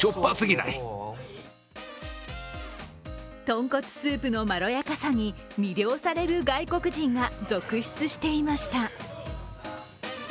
豚骨スープのまろやかさに魅了される外国人が続出していました。